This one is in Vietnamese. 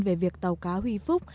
về việc tàu cá huy phúc